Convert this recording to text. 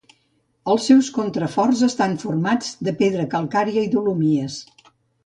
Els seus contraforts estan formats de pedra calcària i dolomies.